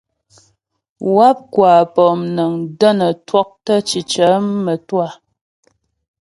Wáp kwa pɔmnəŋ də́ nə twɔktə́ cicə mə́twâ.